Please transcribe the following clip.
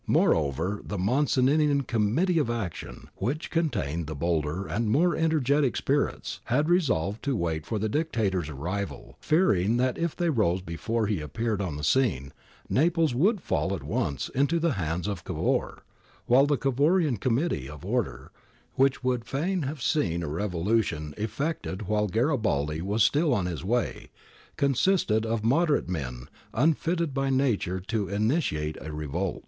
Moreover, the Mazzinian ' Committee of Action,' which contained the bolder and more energetic spirits, had resolved to wait for the Dictator's arrival, fearing that if they rose before he appeared on the scene, Naples would fall at once into the hands of Cavour ; while the Cavourian 'Committee of Order,' which would fain have seen a revolution effected while Garibaldi was still on his way, consisted of ' moderate men ' unfitted by nature to initiate a revolt.